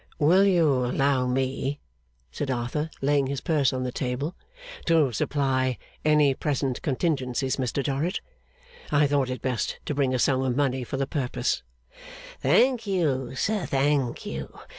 'Will you allow me,' said Arthur, laying his purse on the table, 'to supply any present contingencies, Mr Dorrit? I thought it best to bring a sum of money for the purpose.' 'Thank you, sir, thank you.